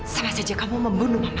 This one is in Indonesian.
sama saja kamu membunuh mama